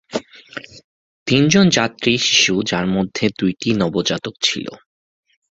তিনজন যাত্রী শিশু যার মধ্যে দুইটি নবজাতক ছিল।